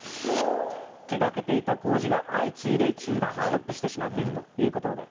手がけていた工事が相次いで中断、ストップしてしまっているということで。